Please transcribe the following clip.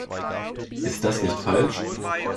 Ist das nicht falsch?